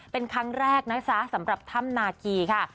เป็นครั้งแรกนะจ๊ะสำหรับถ้ำนาคีค่ะ